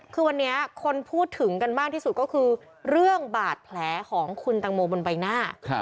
คือวันนี้คนพูดถึงกันมากที่สุดก็คือเรื่องบาดแผลของคุณตังโมบนใบหน้า